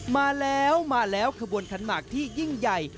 มาแล้วมาแล้วขบวนขันหมากที่ยิ่งใหญ่